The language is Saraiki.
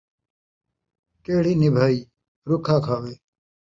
کیڑھی نبھائی رُکھا کھاوے